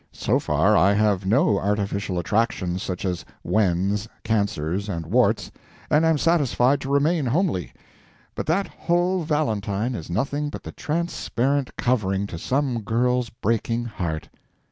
So far, I have no artificial attractions such as wens, cancers, and warts, and am satisfied to remain homely. But that whole valentine is nothing but the transparent covering to some girl's breaking heart.